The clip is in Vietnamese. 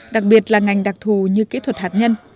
đặc biệt là ngành đặc thù như kỹ thuật hạt nhân